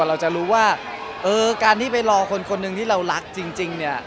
เราจะรู้ว่าเออการที่ไปรอคนคนหนึ่งที่เรารักจริงเนี่ย